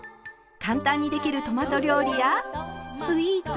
簡単にできるトマト料理やスイーツ。